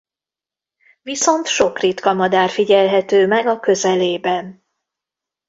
Viszont sok ritka madár figyelhető meg a közelében.